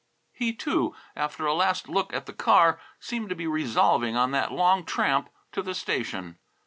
He, too, after a last look at the car, seemed to be resolving on that long tramp to the station.